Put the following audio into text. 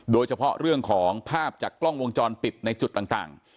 โดยเฉพาะเรื่องของภาพจากกล้องวงจรปิดในจุดต่าง